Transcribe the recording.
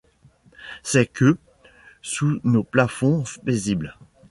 C'est que, sous nos plafonds paisibles